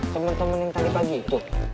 temen temen yang tadi pagi itu